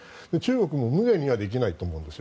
中国もむげにはできないと思うんです。